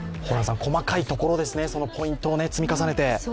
細かいところですね、細かいポイントを積み重ねて。